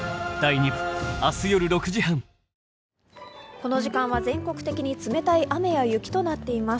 この時間は全国的に冷たい雨や雪となっています。